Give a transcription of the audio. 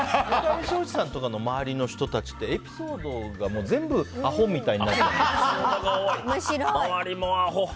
村上ショージさんの周りの人ってエピソードが全部アホみたいになってますね。